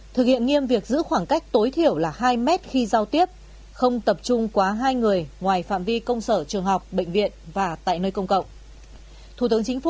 thực hiện nghiêm việc giữ khoảng cách tối thiểu là hai mét khi giao tiếp không tập trung quá hai người ngoài phạm vi công sở trường học bệnh viện và tại nơi công cộng